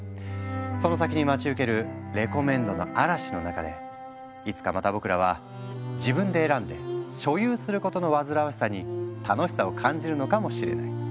その先に待ち受けるレコメンドの嵐の中でいつかまた僕らは自分で選んで所有することの煩わしさに楽しさを感じるのかもしれない。